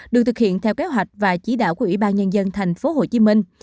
được thực hiện theo kế hoạch và chỉ đạo của ủy ban nhân dân thành phố hồ chí minh